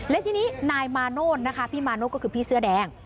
และทีนี้นายมาโนธนะคะพี่มาโน้ตก็คือพี่เสื้อแดง